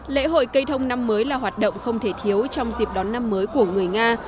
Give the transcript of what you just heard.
lễ hội cây thông năm mới là hoạt động không thể thiếu trong dịp đón năm mới của người nga